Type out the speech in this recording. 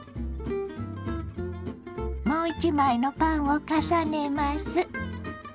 もう一枚のパンを重ねます。